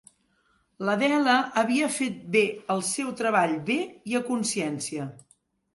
L'Adele havia fet bé el seu treball bé i a consciència.